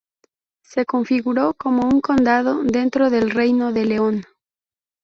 Se configuró como un condado dentro del Reino de León.